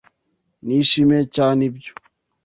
Nishimiye cyane ibyo.